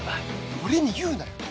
俺に言うなよ！